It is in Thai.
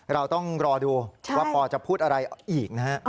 เราต้องรอดูว่าปอจะพูดอะไรอีกนะฮะ